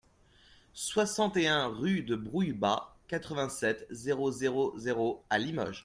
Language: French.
soixante et un rue de Brouillebas, quatre-vingt-sept, zéro zéro zéro à Limoges